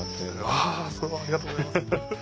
あそれはありがとうございます。